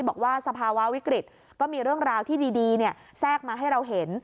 บอกว่าสภาวะวิกฤตก็มีเรื่องราวที่ดีแทรกมาให้เราเห็น